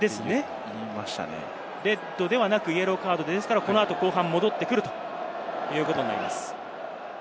レッドではなくイエローカードですから、このあと後半戻ってくるということになります。